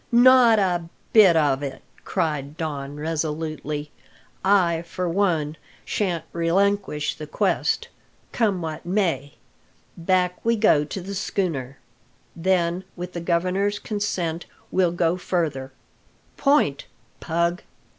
"Not a bit of it!" cried Don resolutely. "I, for one, shan't relinquish the quest, come what may. Back we go to the schooner! Then, with the governor's consent, we'll go further. Point, Pug!"